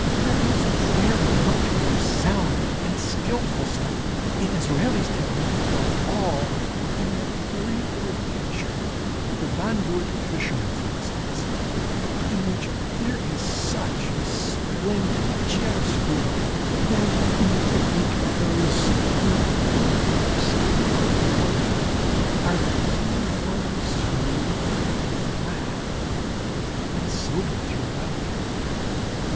There is very much more sound and skilful stuff in Israel's technique above all in the very old picture "The Zandvoort Fisherman," for instance, in which there is such splendid chiaroscuro, than in the technique of those who, owing to their steely cold colour, are uniformly smooth, flat, and sober throughout.